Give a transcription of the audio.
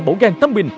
bổ gan tâm bình